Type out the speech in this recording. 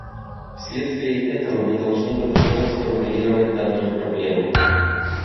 Вследствие этого мы должны по-другому сформулировать данную проблему.